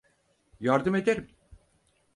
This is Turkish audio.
Yardım ederim.